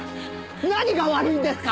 何が悪いんですか？